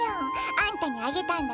あんたにあげたんだ